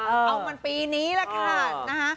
เอามันปีนี้แหละค่ะ